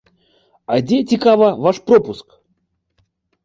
А дзе, цікава, ваш пропуск?!